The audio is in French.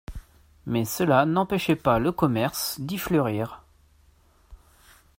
Mais cela n'empêchait pas le commerce d'y fleurir.